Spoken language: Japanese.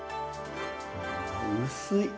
薄い。